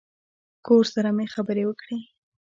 کور سره مې خبرې وکړې.